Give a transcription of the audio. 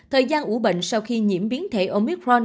thời gian ủ bệnh sau khi nhiễm biến thể omicron